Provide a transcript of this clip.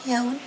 ya udah deh